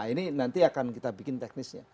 ini nanti akan kita bikin teknisnya